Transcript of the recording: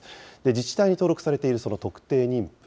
自治体に登録されているその特定妊婦。